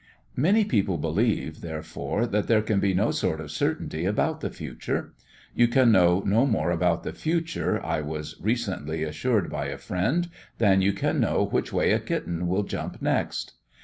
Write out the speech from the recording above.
Many people believe, therefore, that there can be no sort of certainty about the future. You can know no more about the future, I was recently assured by a friend, than you can know which way a kitten will jump next.